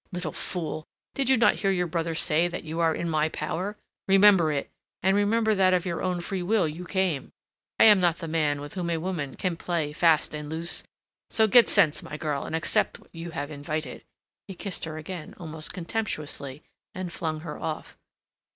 "Little fool, did you not hear your brother say that you are in my power? Remember it, and remember that of your own free will you came. I am not the man with whom a woman can play fast and loose. So get sense, my girl, and accept what you have invited." He kissed her again, almost contemptuously, and flung her off.